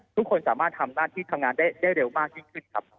ทุกคนสามารถทำหน้าที่ทำงานได้เร็วมากยิ่งขึ้นครับ